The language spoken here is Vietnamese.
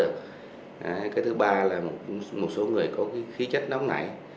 cái thứ ba là một số người có khí chất đóng nảy